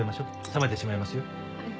冷めてしまいますよ。